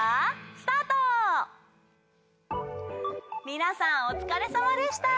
みなさんおつかれさまでした。